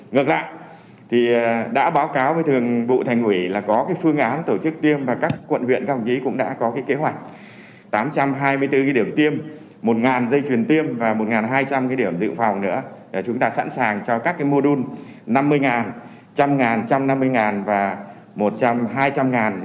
ngược lại đã báo cáo với thường vụ thành hủy là có phương án tổ chức tiêm và các quận huyện các hồng chí cũng đã có kế hoạch